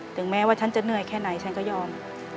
ถึงแม้ว่าฉันจะเหนื่อยแค่ไหนฉันก็ยอม